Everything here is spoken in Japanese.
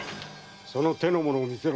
その手の物を見せろ。